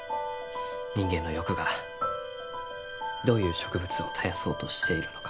人間の欲がどういう植物を絶やそうとしているのか